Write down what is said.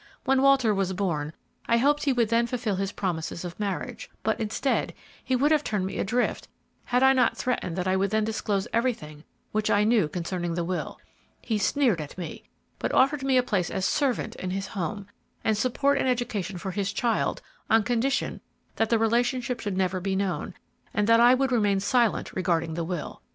When Walter was born, I hoped he would then fulfil his promises of marriage; but instead, he would have turned me adrift had I not threatened that I would then disclose everything which I knew concerning the will. He sneered at me, but offered me a place as servant in his home, and support and education for his child on condition that the relationship should never be known, and that I would remain silent regarding the will.